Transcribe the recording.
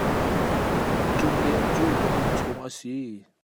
Cung Lian cu ka innchung a si.